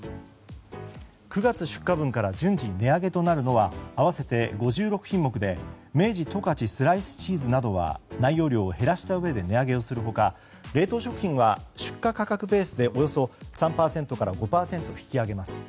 ９月出荷分から順次値上げとなるのは合わせて５６品目で明治十勝スライスチーズなどは内容量を減らしたうえで値上げをする他、冷凍食品は出荷価格ベースでおよそ３％から５％引き上げます。